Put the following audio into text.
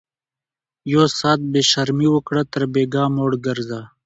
ـ يو ساعت بې شرمي وکړه تر بيګاه موړ ګرځه